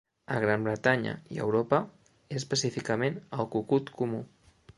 A Gran Bretanya i Europa, és específicament el cucut comú.